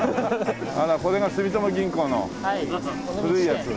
あらこれが住友銀行の古いやつ？